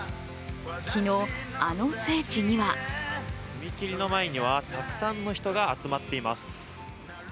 昨日、あの聖地には踏切の前には、たくさんの人が集まっています。